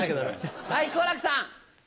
はい好楽さん。